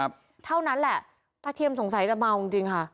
เพราะเทียมสงสัยจะเมาจริง